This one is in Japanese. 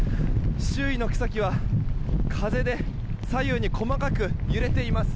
周囲の草木は風で左右に細かく揺れています。